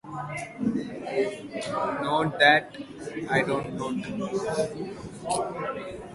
Note that the "data scrubbing" operation activates a parity check.